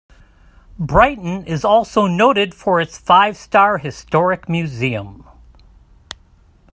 Brighton is also noted for its five star historic museum.